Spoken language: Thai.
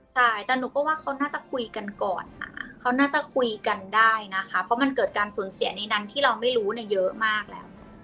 ใช่แต่หนูก็ว่าเขาน่าจะคุยกันก่อนเขาน่าจะคุยกันได้นะคะเพราะมันเกิดการสูญเสียในดังที่เราไม่รู้เยอะมากแล้ว